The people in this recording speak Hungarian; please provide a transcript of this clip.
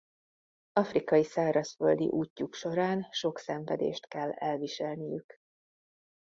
Afrikai szárazföldi útjuk során sok szenvedést kell elviselniük.